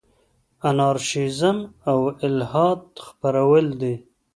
انارشیزم او الحاد خپرول دي.